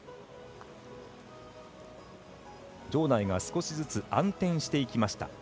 場内が少しずつ暗転していきました。